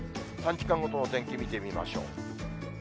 ３時間ごとの天気見てみましょう。